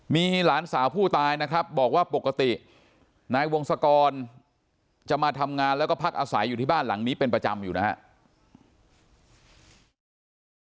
มีหลานสาวผู้ตายนะครับบอกว่าปกตินายวงศกรจะมาทำงานแล้วก็พักอาศัยอยู่ที่บ้านหลังนี้เป็นประจำอยู่นะครับ